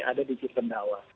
ada di jitendawa